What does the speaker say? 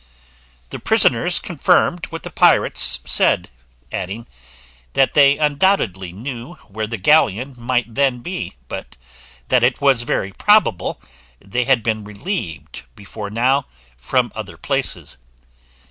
The prisoners confirmed what the pirates said, adding, that they undoubtedly knew where the galleon might then be, but that it was very probable they had been relieved before now from other places.